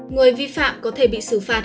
người vi phạm có thể bị xử phạt